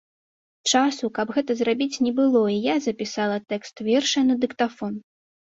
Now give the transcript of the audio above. Часу, каб гэта зрабіць, не было, і я запісала тэкст верша на дыктафон.